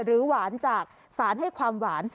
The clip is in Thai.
หวานจากสารให้ความหวาน